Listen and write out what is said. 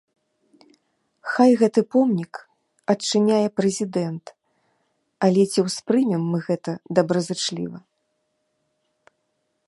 Хай гэты помнік адчыняе прэзідэнт, але ці ўспрымем мы гэта добразычліва?